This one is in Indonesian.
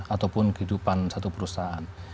ataupun kehidupan satu perusahaan